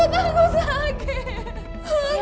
udah tangguh sakit